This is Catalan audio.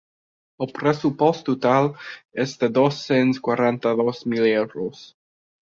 El pressupost total és de dos-cents quaranta-dos mil euros.